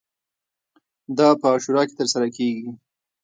دا په عاشورا کې ترسره کیږي.